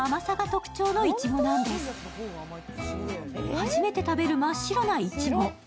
初めて食べる真っ白ないちご。